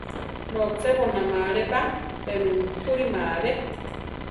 Lochéboname ale pa, pe mi mukúrima alé.